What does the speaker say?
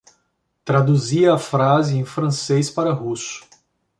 Traduzia a frase em francês para russo